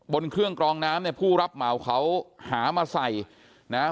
บนเครื่องกรองน้ำเนี่ยผู้รับเหมาเขาหามาใส่นะฮะ